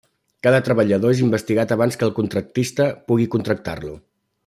Cada treballador és investigat abans que el contractista pugui contractar-lo.